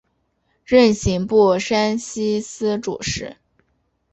任刑部山西司主事。